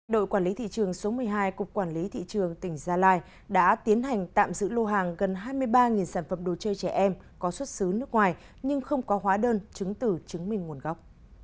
đội quản lý thị trường số một mươi hai cục quản lý thị trường tỉnh gia lai đã tiến hành tạm giữ lô hàng gần hai mươi ba sản phẩm đồ chơi trẻ em có xuất xứ nước ngoài nhưng không có hóa đơn chứng tử chứng minh nguồn gốc